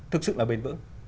thực sự là bền vững